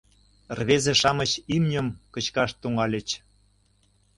Рвезе-шамыч имньым кычкаш тӱҥальыч.